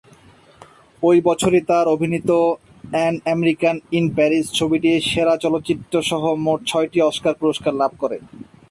ঐ বছরই তার অভিনীত "অ্যান আমেরিকান ইন প্যারিস" ছবিটি সেরা চলচ্চিত্রসহ মোট ছয়টি অস্কার পুরস্কার লাভ করে।